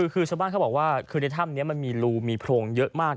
คือชาวบ้านเขาบอกว่าคือในถ้ำนี้มันมีรูมีโพรงเยอะมาก